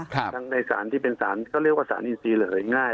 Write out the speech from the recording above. ค่ะทั้งในสารที่เป็นสารเขาเรียกว่าสารอินทรีย์เหลือง่าย